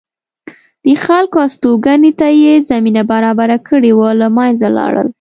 د خلکو هستوګنې ته یې زمینه برابره کړې وه له منځه لاړل